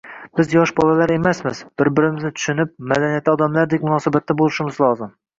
Biz yosh bolalar emasmiz, bir-birimizni tushunib, madaniyatli odamlardek munosabatda bo`lishimiz lozim